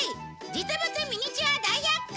実物ミニチュア大百科